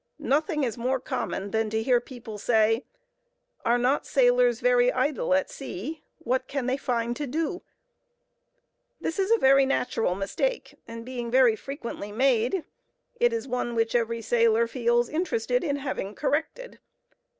Nothing is more common than to hear people say—"Are not sailors very idle at sea? what can they find to do?" This is a very natural mistake, and being very frequently made, it is one which every sailor feels interested in having corrected.